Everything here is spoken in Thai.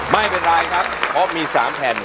ไม่เป็นไรครับเพราะมี๓แผ่น